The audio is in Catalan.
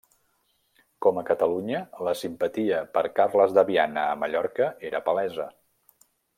Com a Catalunya, la simpatia per Carles de Viana a Mallorca era palesa.